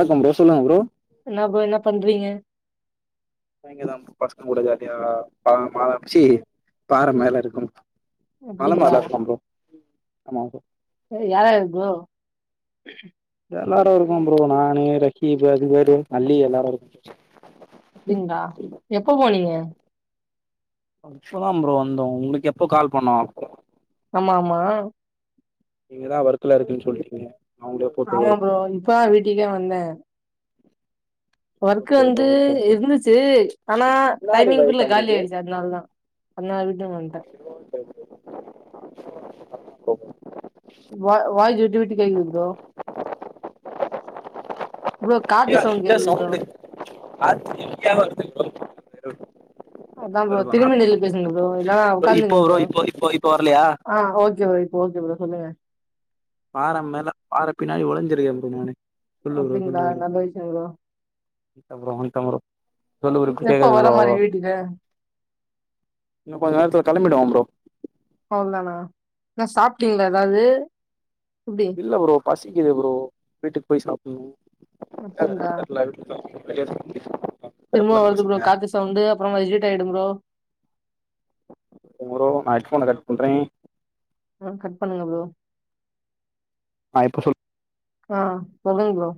வணக்கம் ப்ரோ சொல்லுங்க ப்ரோ என்னா ப்ரோ என்னா பண்றீங்க நா இங்கதா பசங்க கூட ஜாலியா பாத மால ச்சி பாற மேல இருக்கோம் அப்டிங்ளா ஆமா ப்ரோ யார் யாரு ப்ரோ எல்லாரு இருக்கோ ப்ரோ நானு ரஹீபு அதுகரு அல்லி எல்லாரு இருக்கோ அப்டிங்ளா எப்ப போனீங்க இப்ப தா ப்ரோ வந்தோ உங்களுக்கு எப்போ கால் பண்ணோ ஆமா ஆமா நீங்கதா ஒர்க்ல இருக்குன் சொல்றீங்க ஆமா ப்ரோ இப்ப தா வீட்டுக்கே வந்த ஒர்க்கு வந்து இருந்துச்சு ஆனா முன்னாடி டைமிங் வை குள்ள காலி தம்முனுக்கு ஆயிடுச்சு அதனால் தா அதுனால் வீட்டுக் வன்ட்ட [inaudible] வா வாயிஜ் விட்டு விட்டுக்கு கேக்குது ப்ரோ ப்ரோ காத்து இங்க சவுண்ட் இங்க கேக்குது ப்ரோ. சவுண்டு அது ஹெவியா வருது ப்ரோ அதா ப்ரோ திரும்பி நில்லு பேசுங்க ப்ரோ. இல்லனா [unintelligible] இப்ப உக்காந்துக்கங்க ப்ரோ இப்போ இப்போ இப்போ வரலையா ஆ ஓகே ப்ரோ இப்ப ஓகே ப்ரோ சொல்லுங்க பாற மேல பாள பின்னாடி ஒழிஞ்சிருக்கே ப்ரோ நானு சொல்லு ப்ரோ சொல்லு அப்டிங்களா? ப்ரோ நல்ல விஷயம் ப்ரோ. இல்ல ப்ரோ வன்ட்ட ப்ரோ சொல்லு ப்ரோ இப்ப எப்ப கேக்காது வர ப்ரோ மாரி அவ்ளோவா வீட்டுக்கு? இன்னு கொஞ்ச நேரத்துல கெளம்பிடுவ ப்ரோ அவ்ளோ தானா என்ன சாப்ட்டீங்ளா ஏதாவது எப்டி இல்ல ப்ரோ பசிக்குது ப்ரோ வீட்டுக்கு போய் சாப்பட்ணு என்ன வேற அப்டிங்களா? தெர்ல வீட்ல [inaudible] திரும்ப வருது ப்ரோ பசங்க காத்து சவுண்டு அப்பறமா ரிஜெட் ஆகிடு ப்ரோ ப்ரோ நா ஹெட்ஃபோன கட் பண்றே ம் கட் பண்ணுங்க ப்ரோ ஆ இப்ப சொல் ஆ சொல்லுங்க ப்ரோ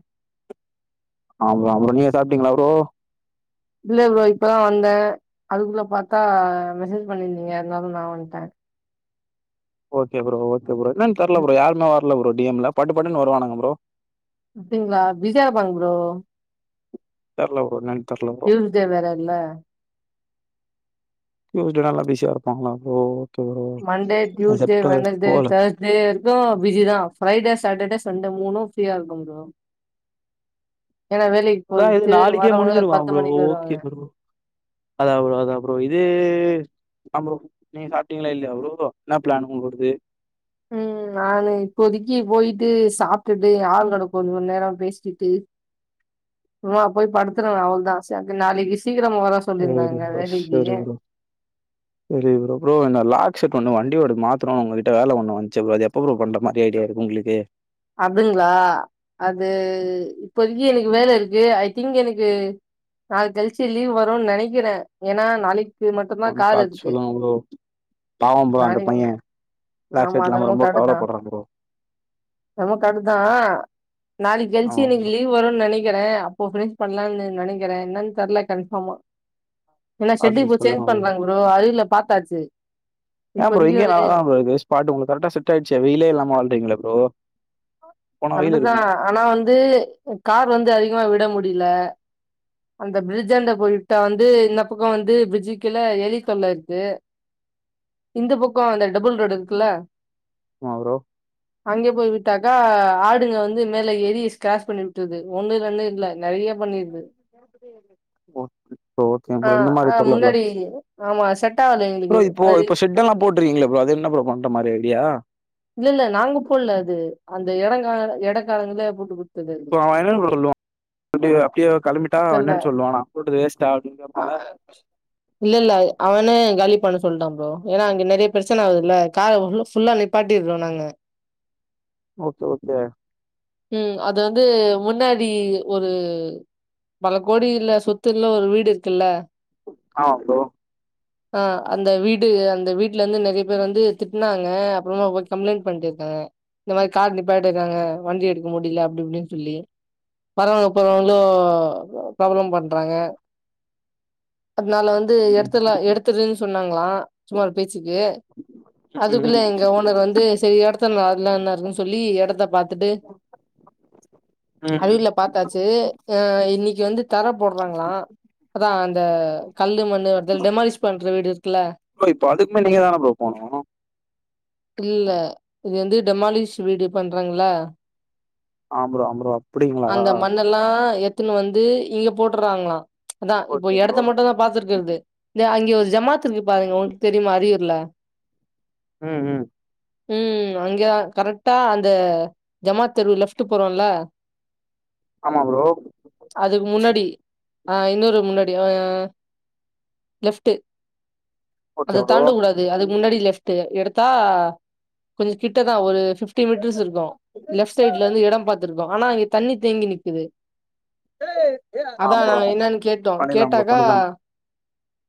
ஆ ப்ரோ அப்றோ நீங்க சாப்ட்டீங்ளா ப்ரோ இல்ல ப்ரோ இப்பதா வந்த அதுக்குள்ள பாத்தா மெசேஜ் பண்ணியிருந்தீங்க அதனால நா வன்ட்ட ஓகே ப்ரோ ஓகே ப்ரோ என்னன் தெர்ல ப்ரோ யாருமே வரல ப்ரோ டி எம்ல பட்டுப்பட்டுன்னு வருவானுங்க ப்ரோ அப்டிங்ளா பிஸியா இருப்பாங்க ப்ரோ தெர்ல ஃப்ரோ என்னான்னு தெர்ல ப்ரோ டியூஸ்டே வேற இல்ல டியூஸ்டேலா எல்லா பிஸியா இருப்பாங்ளா அப்போ மண்டே டியூஸ்டே வென்னஸ்டே போல தர்ஸ் அத இருக்கு பிஸிதா ஃப்ரைடே சாட்டர்டே சண்டே மூணும் ஃப்ரீயா இருக்கு ப்ரோ ஏன்னா வேலைக் அதா இது நாளைக்கே முடிஞ்சிருமா ப்ரோ வருவாங்க ஓகே ப்ரோ அதா ப்ரோ அதா ப்ரோ இது அதா ப்ரோ நீங்க சாப்டீங்களா இல்லையா ஃப்ரோ என்னா ப்ளான் உங்ளோடது ம் நானு இப்போதைக்கு போயிட்டு சாப்டுட்டு என் ஆளு கூட கொஞ்ச மணி நேர பேசிட்டு ஆமா போய் படுத்றுவே அவள்தா நாளைக்கு சீக்கிரம் வர எங்களுக்கு சொல்லியிருந்தாங்க ப்ரோ வேலைக்கு செரி ப்ரோ சேரி ஃப்ரோ ஃப்ரோ இந்த லாக் செஷ்ட் ஒன்னு வண்டிவேறு மாத்துறோ உங்க கிட்ட வேல ஒன்னு வந்துச்சு ஃப்ரோ அது எப்ப ஃப்ரோ பண்ற மாறி ஐடியா இருக்கு உங்ளுக்கு அப்டிங்ளா அது இப்போதக்கு எனக்கு வேலை இருக்கு ஐ திங்க் எனக்கு நாள் கழிச்சு லீவ் வருன் நெனைக்கிறே ஏன்னா நாளைக் கு மட்டுந்தா கொஞ்சம் காரு பாத்து இருக்கு சொல்லுங்க ப்ரோ. பாவம் ப்ரோ அந்த பையன் லாக் ஆமா செட் இல்லாம அதென்னமோ ரொம்ப கரெட்டுதா கவலைப்படுறான் ப்ரோ. என்னமோ கரட்டுதா நாளைக் கழிச்சு ஆமா ப்ரோ. இன்னைக்கி வரும்னு நெனைக்கிறே அப்போ பிரெ பண்லான்னு நெனைக்கிறே என்னன்னு தெர்ல கன்ஃபார்மா ஏன்னா ஷெட் பாத்துட்டு இப்ப சொல்லுங்க சேஞ்ச் பண்றாங்க ப்ரோ அது இல பாத்தாச்சு ஏ ஃப்ரோ இப்போதைக்கு இங்கையே நல்லாதா ப்ரோ இருக்கு ஸ்பாட்டு உங்களுக்கு கரக்டா செட் ஆயிடுச்சே வெயிலே இல்லாம வாழ்றீங்களா ப்ரோ போனா வெயில் கரெட்டுதா இருக்குமா ஆனா வந்து கார் வந்து அதிகமா விட முடில அந்த பிரிட்ஜ் ஆண்ட போய் விட்டா வந்து இந்த பக்க வந்து பிரிட்ஜுக்கு கீழ எலி தொல்ல இருக்கு இந்த பக்க அந்த டபுள் ரோடு் இருக்குல்ல ஆமா ப்ரோ அங்க போய் விட் ட்டக்கா ஆடுங்க வந்து மேல ஏறி ஸ்கிராஷ் பண்ணி விட்றுது ஒண்ணு ரெண்டு இல்ல நெறைய பண்ணிருது [inaudible] ஓ ஓகே ஆ ஃப்ரோ இந்த மாறி ஆ தொல்ல இல்ல முன்னாடி ஆமா செட் ஆகல எங்களுக்கு அது போட்டறீங்கள ஃப்ரோ அது என்ன ஃப்ரோ பன்ற மாறி ஐடியா இல்ல இல்ல நாங்க போல்ல அது அந்த எடங்க எடக்காலங்கள போட்டு குடுத்தது அது இப்ப அவ என்னன்னு கூட சொல்லுவா அப்ப அப்டியே கெளம்பிட்டா இல்லல்ல என்னன்னு சொல்லுவானா நா கூப்டது வேஸ்ட்டா அப்படினு கேப்பான்ல இல்ல இல்ல அவனே காலி பண்ண சொல்லிட்டா ப்ரோ ஏன்னா அங்க நெறைய பிரச்சனை ஆவுதுல்ல கார ஃபுல்லா நா நிப்பாட்டிறோ நாங்க ஓகே ஓகே ம் அது வந்து முன்னாடி ஒரு பல கோடி இல்ல சொத்துல்ல ஒரு வீடு இருக்குல்ல ஆ ப்ரோ அ அந்த வீடு அந்த வீட்லருந்து நெறைய பேர் வந்து திட்னாங்க சும்மா போய் கம்ளைண்ட் பண்ணிடுருக்காத இந்த மாறி கார் நிப் நிப்பாடிறாங்க வண்டி எடுக்க முடில அப்டி இப்டின்னு சொல்லி வரவங்க போறவங்களு ப்ராப்ள பண்றாங்க அத்னால வந்து ம் எடுத்தற்லா எடு த்துரு சொன்னாங்களா சும்மா ஒரு பேச்சுக்கு அதுக்குள்ள ம் எங்க ஓனர் வந்து செரி எடத் தர்லா அதுல என்ன இருக்குனு சொல்லி எடத்த பாத்துட்டு ம் ம் அல்ல பாத்தாச்சு அ இன்னெக்கி வந்து தர போட்றாங்களா அதா அந்த கல்லு மண்ணு வ டெமாலிஷ் பண்ற வீடு இருக்குல்ல ப்ரோ இப்ப அதுக்குமே நீங்க தான ப்ரோ போனு இல்ல இது வந்து டெமாலிஷ் வீடியோ பண்றாங்களா ஆ ப்ரோ ஆ ப்ரோ அப்டிங்களா எல்லா எத்துன்னு வந்து இங்க போட்டுறாங்களா அதா இப்போ ஓகே ப்ரோ எடத்த மட்டுந்தா பாத்துருக்குறது அங்கே ஒரு ஜமாத்து இருக்கு பாருங்க உங்களுக்கு தெரியுமா அறியூர்ல ம் ம் ம் அங்கேதா கரெட்டா அந்த ஜமாத் தெரு லெஃப்ட்டு போறோல்ல ஆமா ப்ரோ அதுக்கு முன்னாடி ஆ இன்னொரு முன்னாடி ஆ லெஃப்ட்டு ஓகே அத ப்ரோ தாண்டக்கூடாது அதுக்கு முன்னாடி லெஃப் டு எடுத்தா கொஞ்ச கிட்ட தா ஒரு பிஃப்டி மீட்டர்ஸ் இருக்கு லெஃப்ட் சைட்ல இருந்து எடொம் பாத்திருக்கோ ஆனா அங்க தண்ணி தேங்கி நிக்கிது அதா ஆமா ப்ரோ என்னன்னு கேட்டோ பண்ணிடலாம் ப்ரோ கேட்டாக்கா பண்ணிடலாம்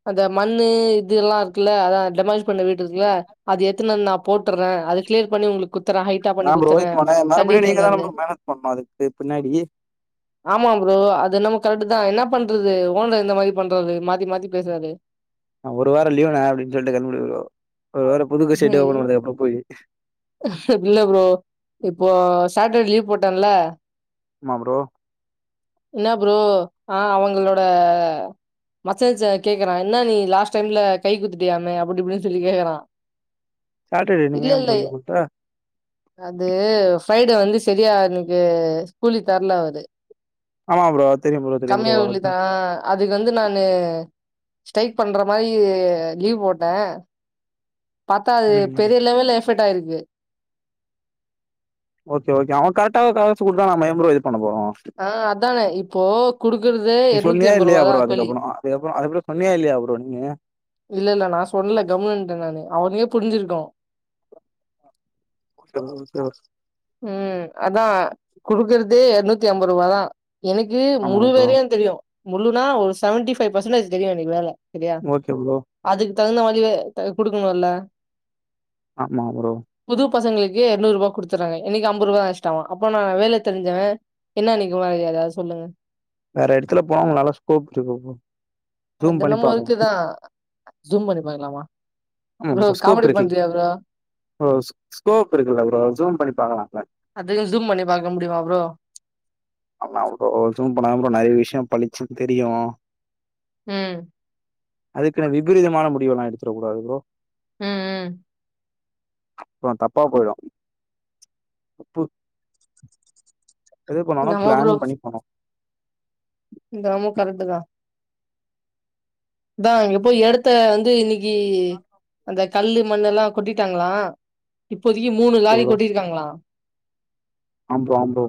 அந்த மண்ணு இது எல்லா இருக்குல்ல அதா டெமாலிஷ் பண்ண வீடு இருக்குல்ல அது எத்துன்னு வந் நா போட்டற்றே அது க்ளியர் பண்ணி உங்ளுக் குத்துறே ஹைட்டா பண்ணி ஏன் ப்ரோ குத்துற இப்போ நான் தண்ணி மறுபடியும் நீங்க தானே தேங்காது ப்ரோ மேனேஜ் பண்ணணும் அதுக்கு பின்னாடி ஆமா ப்ரோ அது என்னமோ கரட்டு தா என்ன பண்றது ஓனர் இந்த மாரி பண்றாரு மாத்தி மாத்தி பேசாதே அ ஒரு வாரோ லீவான்னே அப்டின்னு சொல்லிட்டு கெளம்புனோ வேற புது பெட்ஸுட்டு வந்து போயி இல்ல ப்ரோ இப்போ சேட்டர்டே லீவ் போட்டேல்ல ஆமா ப்ரோ இல்ல ப்ரோ ஆ அவுங்களோட மசுல்ஸ் அ கேக்கறா என்ன நீ லாஸ்ட் டைம்ல கை குத்துட்டியாமே அப்டி இப்டின்னு சொல்லி கேக்குறா சேட்டர்டே நீங்க இல்ல ஏ இல்ல ப்ரோ லீவ் போட்ட அது ஃப்ரைடே வந்து செரியா எனக்கு கூலி தரல அவரு ஆமா ப்ரோ தெரியும் ப்ரோ தெரியும் ப்ரோ கம்மியா கூலி அதுதான் தரா அதுக்கு வந்து நானு ஸ்டைக் பண்ற மாரி லீவ் போட்டே பாத்தா அது ம் ம் பெரிய லெவல்ல எஃபெக்ட் ஆய்ருக்கு ஓகே ஓகே அவன் கரட்டா காசு குடுத்தா நம்ம ஏ ப்ரோ இது பண்ண போறோ ஆ அதான இப்போ குடுக்குறதே எர்நூத்தி எம்பது ருவாதா கூலி அதுக்கப்பொறோ அது அப்பறோ சொன்னியா இல்லயா ப்ரோ நீங்க இல்ல இல்ல நா சொல்லல கம்முனு இருந்ட்ட நானு அவனுக்கே புருஞ்சிருக்கு ஓகே ப்ரோ ஓகே ப்ரோ ம் அதா குடுக்குறதே எர்நூத்தி அம்பருவா தா எனெக்கு ஆமா முழு ப்ரோ வேலெயு தெரியு முழுனா ஒரு செவன்டி ஃபைவ் பர்சன்டேஜ் தெரியு எனக்கு வேல செரியா ஓகே ப்ரோ அதுக்கு தகுந்த மாரி வே தர குடுக்கணுல்ல ஆமா ப்ரோ புது பசங்களுக்கு எர்நூறுர்வா குடுத் த்தர்ராங்க எனக்கு அம்பர்ருவா எக்ஸ்டாவா அப்போ நா வேல தெரிஞ்சவே என்ன எனக்கு மரியாத அத சொல்லுங் வேற எடத்துல போங்க நல்லா ஸ்கோப் இருக்கு ப்ரோ அது ஜூம் பண்ணி என்னமோ பாக்கலாம் ஒர்க்கு தா ஜூம் பண்ணி பாக்கலாமா ஆமா ப்ரோ ஸ்கோப் காமெடி இருக்கு பண்றியா ப்ரோ ஸ்கோப் இருக்குல்ல ப்ரோ ஜூம் பண்ணி பாக்கலாம்ள அதயு ஜூம் பண்ணி பாக்க முடியுமா ப்ரோ ஆமா ப்ரோ ஜூம் பண்ணாதா ப்ரோ நெறைய விஷய பலிச்சுன்னு தெரியு ம் அதுக்குனு விபரீதமான முடிவெல்லா எடுத்துரக்கூடாது ப்ரோ ம் ம் அப்றோ தப்பா போயிடு ப்பு எது பண்ணாலு என்னமோ பிளான் பண்ணி பன்னனு இதென்னமோ கரெக்டு தா தே இங்கே போய் எடத்த வந்து இன்னைக்கி அந்த கல்லு மண்ணு எல்லா கொட்டிட்டாங்களா இப்போதைக்கி மூணு ஓகே லாரி ப்ரோ கொட்டிருக்காங்களா ஆம் ப்ரோ ஆம்ப்ரோ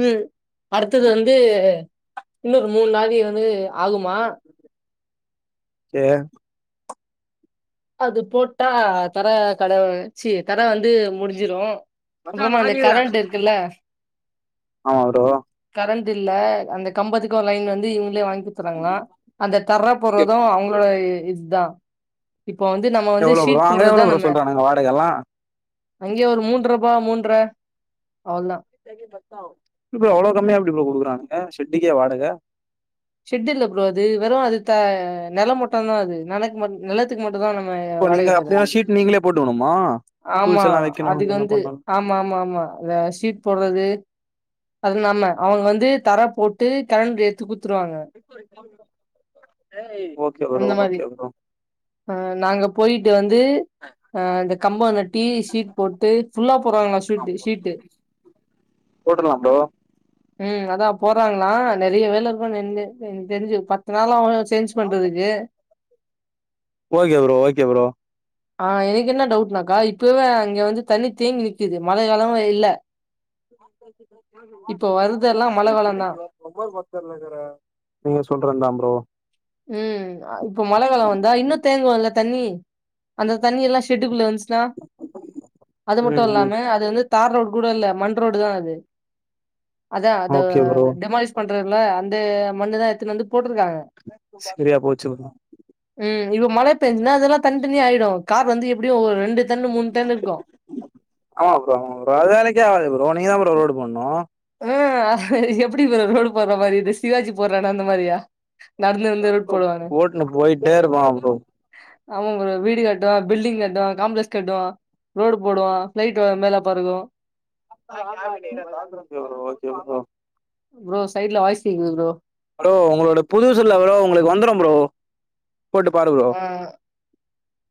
ம் அடுத்தது வந்து இன்னொரு மூணு லாரி வந்து ஆகுமா ஏ அது போட்டா தர கடை சீ தர வந்து முடிஞ்சிரு மச்சான் அப்பறமா அந்த லாரில கரண்ட் இருக்குள்ள ஆமா ப்ரோ கரண்ட் இல்ல அந்த கம்பத்துக்கு லைன் வந்து இவங்களே வாங் ஊத்துறாங்க அந்த தர போறது அவங்களோட இதுதா இப்போ வந்து நம்ம வந்து எவ்ளோ ப்ரோ ஷீட் அங்க போடுறது தா எவ்ளோ ப்ரோ நம்ம சொல்றானுங்க வாடகல்லா அங்கேயே ஒரு மூன்றபா மூன்றை அவளதா எப்டி பா இவ்ளோ கம்மியா கொடுக்குறானுங்க செட்டுக்கே வாடகை செட்டு இல்ல ப்ரோ அது வெறு அது த நில மட்டத அது நில நில த்க்கு மட்டு தா நம்ம இப்போ நீங்க வாடகை அப்டினா தர்றது ஷீட் நீங்களே போட்டுக்கணுமா ஆமா டூல்ஸ் எல்லா வெக்கணு அதுக்கு இதெல்லா வந்து பண்ணணு ஆமா ஆமா ஆமா அந்த ஷீட் போடுறது அது இல்லாமா அவங்க வந்து தர போட்டு கரண்டு எடுத்து குடுத்துருவாங்க [inaudible] அந்த மாரி ஓகே ப்ரோ ஆ நாங்க போயிட்டு வந்து ஆ இந்த கம்ப நட்டி ஷீட் போட்டு ஃபுல்லா போடுறாங்களா ஷீட்டு ஷீட்டு போட்டுறள்ள ப்ரோ ம் அதா போடுறாங்களா நெறைய வேலை இருக்கு எனக்கு தெரிஞ்சு பத் இதுனால அவங்கள சேஞ்ச் பண்றதுக்கு ஓகே ப்ரோ ஓகே ப்ரோ ஆ எனக்கு என்ன டவுட்னாக்கா இப்பவே அங்க வந்து தண்ணி தேங்கி நிக்குது மழை காலமே இல்ல [inaudible] இப்போ வருதெல்லா மழ காலந்தா நீங்க சொல்றதுத ப்ரோ ம் இப்ப மழை கால வந்தா இன்னு தேங்குலே தண்ணி அந்த தண்ணி எல்லா ஷெட்டுக்குள்ள வந்துச்சுன்னா அது மட்டு ம் இல்லாம ம் அது வந்து தார் ரோடு கூட இல்ல மண் ரோடு தா அது அதா அது ஓகே ப்ரோ டெமாலிஷ பண்றதுல அந்த மண்ணுத எடுத்துனு வந்து போட்டிருக்காங்க சரியா போச்சு ப்ரோ ம் இப்ப மழை பெஞ்சுனா அதெல்லா தனி தனி ஆயிடு கார் வந்து எப்படியு ஒரு ரெண்டு டன் மூணு டன் இருக்கு ஆமா ப்ரோ அது வேலைக்கே ஆகது ப்ரோ நீங்கத ப்ரோ ரோடு போடணு ஆ எப்டி ப்ரோ ரோடு போற மாரி இது சிவாஜி போறானா அந்த மாரியா நடந்து நடந்து ரோடு போடுவானே போட்டுன்னு போயிட்டே இருப்பகா ப்ரோ ஆமாங்க ப்ரோ வீடு கட்டுவா பில்டிங் கட்டுவாங்க காம்ப்ளெக்ஸ் கட்டுவா ரோடு போடுவா பிளைட் வ மேலே பறக்கு ம் okay bro okay bro bro சைட்ல வாய்ஸ் கேக்குது ப்ரோ ப்ரோ உங்களோட புதுசெல்ல கூடோ உங்களுக்கு வந்துரு ப்ரோ போட்டு பாரு ப்ரோ ஆ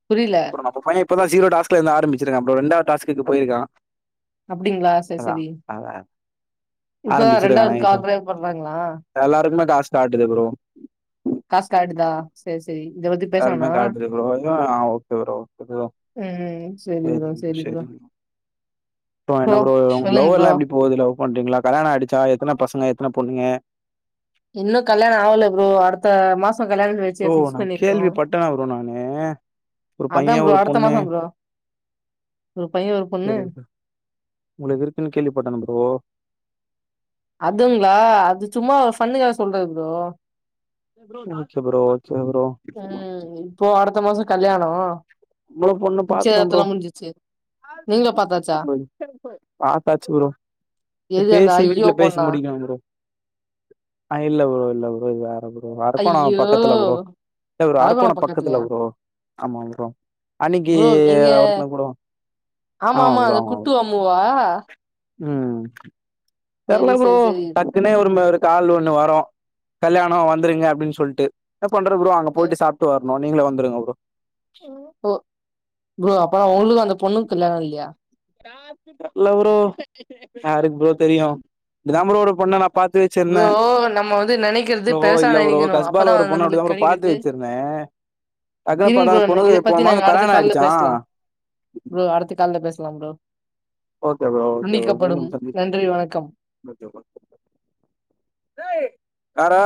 புரில உங்க பையே இப்பதா ஜீரோ டாஸ்க்லருந்து ஆரம்பச்சிருக்க ப்ரோ ரெண்டாவது டாஸ்க்குக்கு போயிருக்கா அப்டிங்களா சரி அதா சரி அதா இப்பதா ஆரம்பிச்சிருக்கா ரெண்டாவது நைட்டு கால் [unintelligible] பண்றாங்களா எல்லாருக்குமே காசு காட்டுது ப்ரோ காசு காட்டுதா சேர் சேரி இந்த வந்து யாருமே தரதில்ல ப்ரோ இதுவு ஓகே ப்ரோ இதுவு ம் செரி செரிங்க ப்ரோ செரி செரிங்க ப்ரோ அப்றோ என்ன ப்ரோ சொல்லுங்க ப்ரோ லவ்வல்லா எப்படி போது லவ் பண்றீங்களா கல்யாணோ ஆயிடிச்ச எத்தன பசங்க எத்தன பொண்ணுங்க இன்னு கல்யாணோ ஆகல ப்ரோ அடுத்த மாசோ கல்யாணோ பண் ப்ரோ சிம்ஸ் ஃப்க்ஸ் நா பண்ணிருக்கோ கேள்விப்பட்டனா ப்ரோ நானு ஒரு அதா பைய ப்ரோ ஒரு அடுத்த பொண்ணு மாசோ ப்ரோ ஒரு பையே ஒரு பொண்ணு உள்ள இருக்குன்னு கேள்விப்பட் ப்ரோ அதுங்களா அது சும்மா ஒரு பண்ணுக்காக சொல்றது ப்ரோ ப்ரோ ஓகே ப்ரோ சேரி ப்ரோ ம் இப்போ அடுத்த மாசோ கல்யாணோ இ்ன்னோரு பொண்ணு பாத்துட்டே ப்ரோ நிச்சயதார்த்தோலா முடிஞ்சிச்சு நீங்களு பாத்தாச்சா ஆ பாத்தாச்சு ப்ரோ எது அந்த பேசி ஐயோ பொண் [unintelligible] முடிக்கணு ப்ரோ ஐ லவ் லவ் இது வேறது அரக்கோண ஐயோ பக்கத்துல ப்ரோ அரக்கோண அரக்கோணோ பக்கத்துல பக்கத்துலயா ப்ரோ ஆமா ப்ரோ அன்னைக்கி ப்ரோ நீங்க [unintelligible] ஆமா ப்ரோ ஆமா ப்ரோ அதுவா தெர்ல செரி ப்ரோ செரி செரி தட் இதுக்குனே ஒரு ஒரு கால் ஒண்ணு வரு கல்யாணோ வந்துருங்க அப்படின்னு சொல்ட்டு என்ன பண்ற ப்ரோ அங்க போயிட்டு சாப்ட்டு வருணு நீங்களே வந்துடுங்க ப்ரோ ப்ரோ அப்ப ஒங்களுக்கு அந்த பொண்ணுக் கல்யாணோ இல்லையா தெர்ல ப்ரோ யாருக்கு ப்ரோ தெரியு இப்ப தா ப்ரோ ஒரு பொண்ண நா பாத்து வச்சுருந்த ப்ரோ நம்ம வந்து நெனைக்கிறது ப்ரோ பெருசா இல்ல ப்ரோ நெனைக்கணு காஸ்பால அப்பதா ஒரு பொண்ண அப்படி தா நம்மளுக்கு ப்ரோ பாத்து கெடைக்கிறது வச் சிருந்தே டக்குன்னு இருங்க பாத்தா ப்ரோ அத்த இத பெண்ணுக்கு போன பத்தி மாசோ நாங்க அடுத்த கல்யாணோ கால்ல ஆயிடுச்சா பேசலா ப்ரோ அடுத்த கால்ல பேசலாம் ப்ரோ ஓகே ப்ரோ துண்டிக்கப்படும் நன்றி வணக்கம் யார்ரா